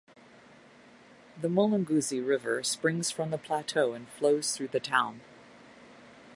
The "Mulunguzi River" springs from the plateau and flows through the town.